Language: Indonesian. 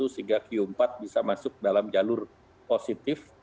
sehingga q empat bisa masuk dalam jalur positif